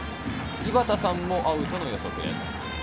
井端さんもアウトの予測です。